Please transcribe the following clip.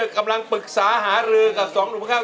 กำลังปรึกษาหารึกกับ๒หนุนครั้ง